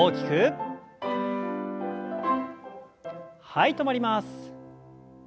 はい止まります。